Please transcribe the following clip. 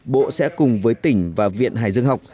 bộ sẽ cùng với tỉnh và viện hải dương học